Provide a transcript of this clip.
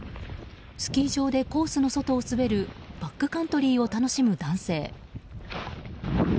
スキー場でコースの外を滑るバックカントリーを楽しむ男性。